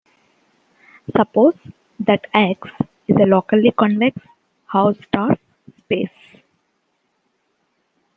Suppose that "X" is a locally convex Hausdorff space.